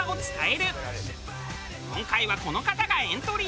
今回はこの方がエントリー。